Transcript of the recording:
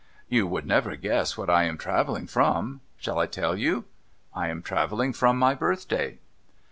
You would never guess what I am travelling from. Shall I tell you? I am travelling from my birthday.'